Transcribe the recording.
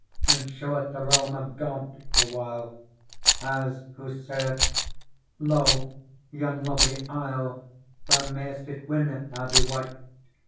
And showeth the Realm of God awhile, As who saith :' Lo ! yon lovely isle. Thou may'st it win if thou be wight.